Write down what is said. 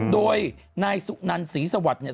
โดยนายสุนันศรีสวัสดิ์